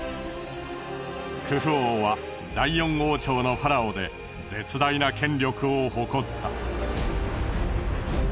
クフ王は第４王朝のファラオで絶大な権力を誇った。